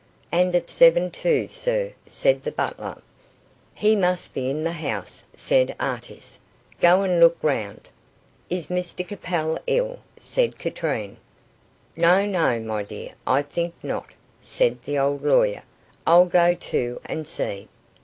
"And at seven too, sir," said the butler. "He must be in the house," said Artis. "Go and look round." "Is Mr Capel ill?" said Katrine. "No, no, my dear, I think not," said the old lawyer. "I'll go, too, and see."